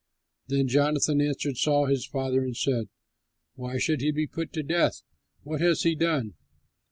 Then Jonathan answered Saul his father and said, "Why should he be put to death? What has he done?"